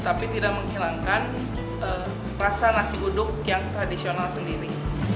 tapi tidak menghilangkan rasa nasi guduk yang tradisional sendiri